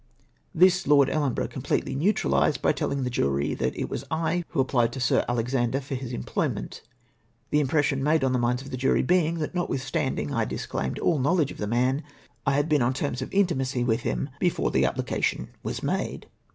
This Lord Ellenborough completely neutra lised by teUing the jury that it ivas I who applied to Sir Alexander for his employment ; the impression made on the'mhids of the jury being, that notwith stanchng I disclaimed all knowledge of the man, I had been on terms of intimacy mth liim before the appli cation was made